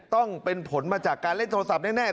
ต้องเป็นผลมาจากการเล่นโทรศัพท์แน่